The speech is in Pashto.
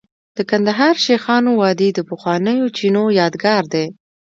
د کندهار شیخانو وادي د پخوانیو چینو یادګار دی